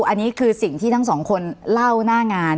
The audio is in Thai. อันนี้คือสิ่งที่ทั้งสองคนเล่าหน้างาน